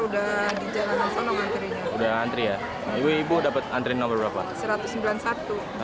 udah antri ya ibu ibu dapet antri nomor berapa